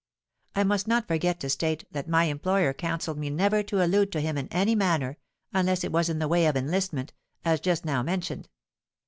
I must not forget to state that my employer counselled me never to allude to him in any manner, unless it was in the way of enlistment, as just now mentioned.